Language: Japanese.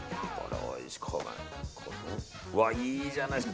いいじゃないですか。